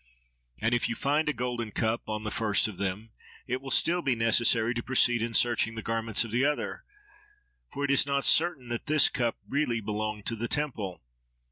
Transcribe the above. And if you find a golden cup on the first of them, it will still be necessary to proceed in searching the garments of the others; for it is not certain that this cup really belonged to the temple.